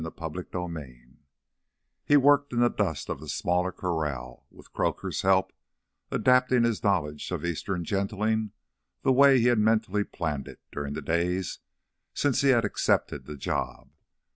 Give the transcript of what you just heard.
"The black—" 6 He worked in the dust of the smaller corral, with Croaker's help, adapting his knowledge of eastern gentling the way he had mentally planned it during the days since he had accepted the job.